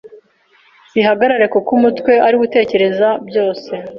zirahagarara kuko umutwe ari wo utekerereza byose